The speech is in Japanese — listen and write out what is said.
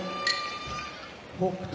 北勝